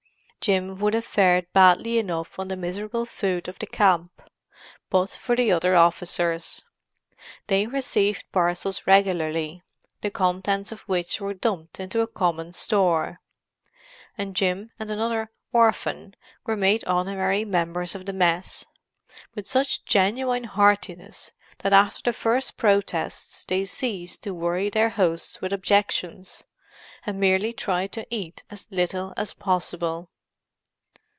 Jim would have fared badly enough on the miserable food of the camp, but for the other officers. They received parcels regularly, the contents of which were dumped into a common store; and Jim and another "orphan" were made honorary members of the mess, with such genuine heartiness that after the first protests they ceased to worry their hosts with objections, and merely tried to eat as little as possible.